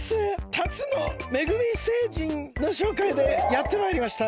龍野恵実星人の紹介でやってまいりました。